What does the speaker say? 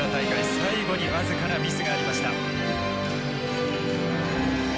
最後に僅かなミスがありました。